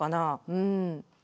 うん。